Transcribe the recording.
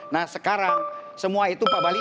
nah sekarang semua itu pak bali